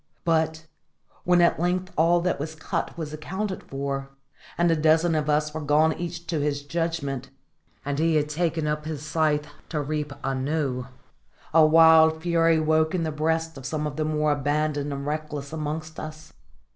But, when at length all that was cut was accounted for, and a dozen of us were gone each to his judgment, and he had taken up his scythe to reap anew, a wild fury woke in the breasts of some of the more abandoned and reckless amongst us.